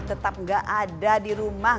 tetap nggak ada di rumah